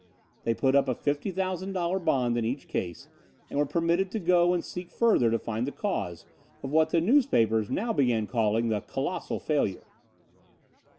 They put up a $50,000 bond in each case and were permitted to go and seek further to find the cause of what the newspapers now began calling the "Colossal Failure."